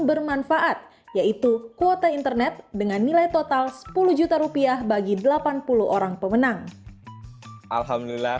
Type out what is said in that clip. bermanfaat yaitu kuota internet dengan nilai total sepuluh juta rupiah bagi delapan puluh orang pemenang alhamdulillah